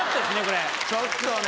ちょっとね。